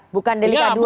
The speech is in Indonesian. bukan di link aduan